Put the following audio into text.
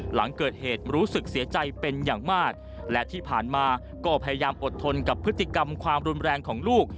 หลังเกิดเหตุรู้สึกเสียใจเป็นอย่างมากและที่ผ่านมาก็พยายามอดทนกับพฤติกรรมความรุนแรงของลูก